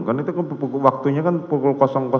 kan itu waktunya kan pukul